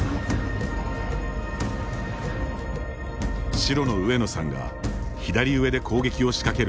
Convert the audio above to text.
白の上野さんが左上で攻撃をしかける